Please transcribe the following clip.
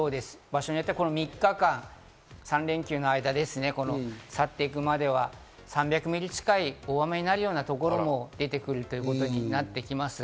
場所によってはこの３日間、３連休の間、去っていくまでは、３００ミリ近い大雨になるようなところも出てくるという形になってきます。